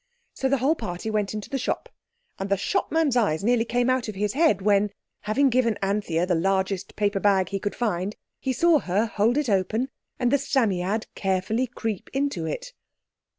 So the whole party went into the shop, and the shopman's eyes nearly came out of his head when, having given Anthea the largest paper bag he could find, he saw her hold it open, and the Psammead carefully creep into it.